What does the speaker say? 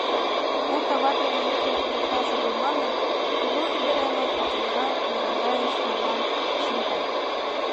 Мый товатлыме мутым пудырташ огыл манын, кугу ӱдыремын ачажлан Ярандайыш марлан шым кай!